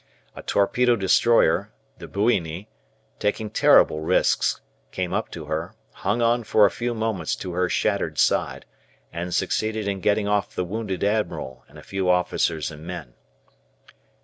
A torpedo destroyer, the "Buiny," taking terrible risks, came up to her, hung on for a few moments to her shattered side, and succeeded in getting off the wounded admiral and a few officers and men.